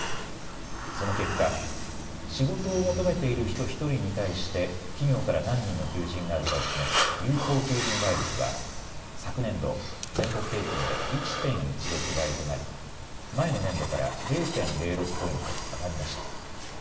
その結果、仕事を求めている人１人に対して企業から何人の求人があるかを示す有効求人倍率は昨年度、全国平均で１．１６倍となり前の年度から０．０６ポイント上がりました。